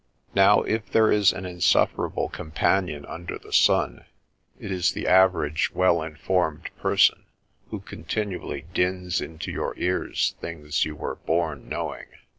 Now, if there is an insufferable companion under the sun, it is the average " well informed person " who continually dins into your ears things you were born knowing.